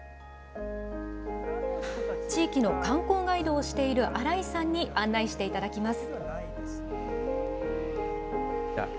地域の観光ガイドをしている荒井さんに案内していただきます。